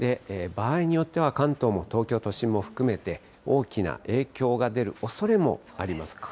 場合によっては、関東も、東京都心も含めて大きな影響が出るおそれもあります。